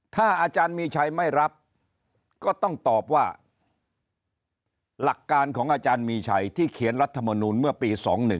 ถ้าอมีชัยไม่รับก็ต้องตอบว่าหลักการของอมีชัยที่เขียนรัฐมนุนเมื่อปี๖๖